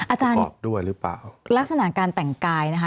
อาจารย์ลักษณะการแต่งกายนะคะ